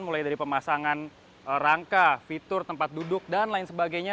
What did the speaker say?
mulai dari pemasangan rangka fitur tempat duduk dan lain sebagainya